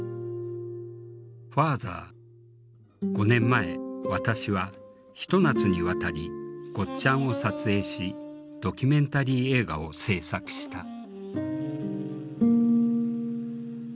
５年前私はひと夏にわたりゴッちゃんを撮影しドキュメンタリー映画を制作した。